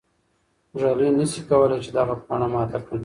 ږلۍ نه شي کولای چې دغه پاڼه ماته کړي.